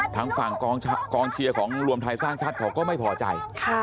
ทางฝั่งกองเชียร์ของรวมไทยสร้างชาติเขาก็ไม่พอใจ